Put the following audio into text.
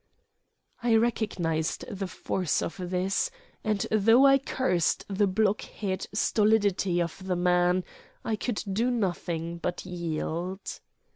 I recognized the force of this, and, though I cursed the blockhead stolidity of the man, I could do nothing but yield.